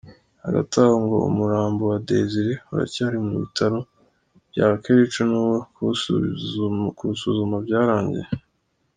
Hagati aho ngo umurambo wa Desire uracyari mu bitaro bya Kericho nubwo kuwusuzuma byarangiye.